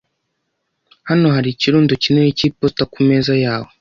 Hano hari ikirundo kinini cy'iposita kumeza yawe.